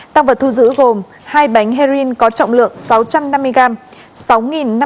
tăng vật thu giữ gồm hai bánh heroin có trọng lượng sáu trăm năm mươi gram